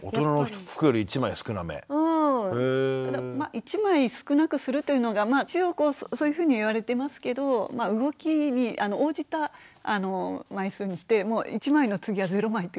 １枚少なくするというのがまあ一応そういうふうに言われてますけど動きに応じた枚数にして１枚の次は０枚というわけにはいかないので。